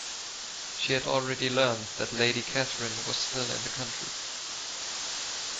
She had already learnt that Lady Catherine was still in the country.